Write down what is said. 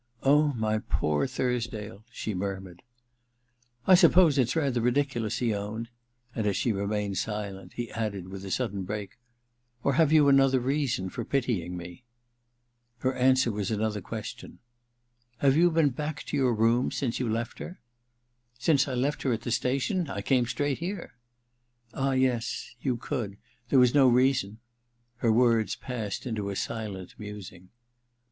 * Oh, my poor Thursdale !' she murmured. * I suppose it's rather ridiculous,' he owned ; and as she remained silent he added, with a sudden break — ^•Or have you another reason for pitying me ?' Her answer was another question. •Have you been back to your rooms since you left her ?'* Since I left her at the station ? I came straight here,' • r I ■> I THE DILETTANTE 273 *Ah, yes — you could: there was no reason Her words passed into a silent musing.